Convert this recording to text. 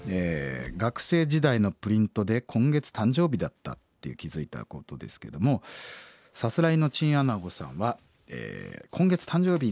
学生時代のプリントで今月誕生日だったっていう気付いたことですけどもさすらいのチンアナゴさんは「今月誕生日。